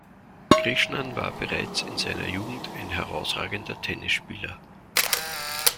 Krishnan war bereits in seiner Jugend ein herausragender Tennisspieler.